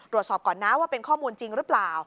ตรวจสอบก่อนนะว่าเป็นข้อมูลจริงหรือเปล่า